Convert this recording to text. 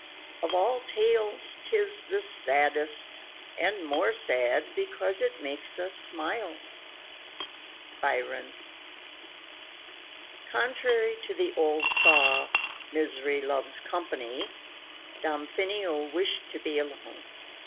Of all tales 'tis the saddest and more sad Because it makes us smile. Byron. Contrary to the old saw, "Misery loves company," Damfino wished to be alone.